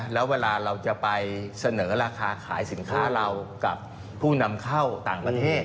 แล้วเวลาเราจะไปเสนอราคาขายสินค้าเรากับผู้นำเข้าต่างประเทศ